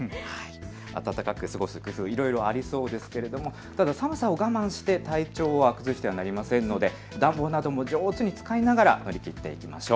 暖かく過ごす工夫、いろいろありそうですが寒さを我慢して体調を崩してはなりませんので暖房なども上手に使いながら暖かくしていきましょう。